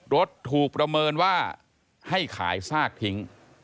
รถถูกประเมินว่าให้ขายซากทิ้ง